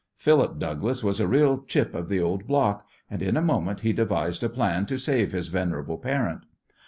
Philip Douglas was a real chip of the old block, and in a moment he devised a plan to save his venerable parent.